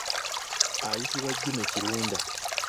Ayitibwa Jimmy Kirunda.